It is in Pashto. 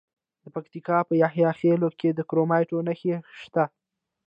د پکتیکا په یحیی خیل کې د کرومایټ نښې شته.